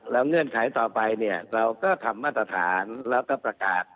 แล้วเงื่อนไขต่อไปเนี่ยเราก็ทำมาตรฐานแล้วก็ประกาศ